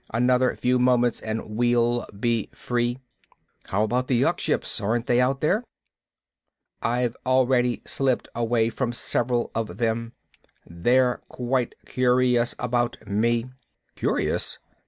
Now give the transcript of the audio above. Another few moments and we'll be free." "How about yuk ships? Aren't they out here?" "I've already slipped away from several of them. They're quite curious about me." "Curious?"